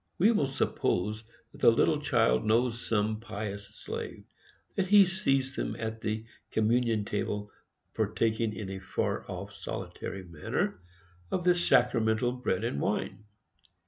We will suppose that the little child knows some pious slave; that he sees him at the communion table, partaking, in a far off, solitary manner, of the sacramental bread and wine.